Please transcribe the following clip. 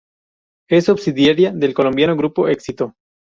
Es subsidiaria del colombiano Grupo Éxito.